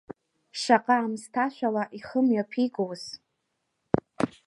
Шаҟа аамсҭашәала ихы мҩаԥигоз!